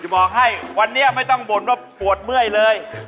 บอกให้วันนี้ไม่ต้องบ่นว่าปวดเมื่อยเลย